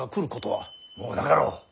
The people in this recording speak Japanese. もうなかろう。